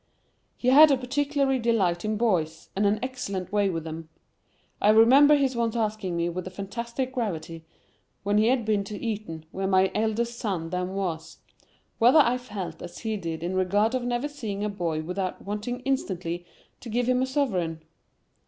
He had a particular delight in boys, and an excellent way with them. I remember his once asking me with fantastic gravity, when he had been to Eton where my eldest son then was, whether I felt as he did in regard of never seeing a boy without wanting instantly to give him a sovereign?